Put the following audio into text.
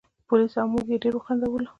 پولیس او موږ یې ډېر وخندولو.